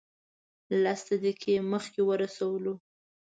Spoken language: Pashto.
لس دقیقې مخکې ورسولو.